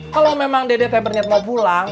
kalau memang dede t berniat mau pulang